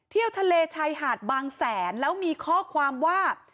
เที่ยวทะเลชายหาดบางแสนแล้วมีข้อความว่า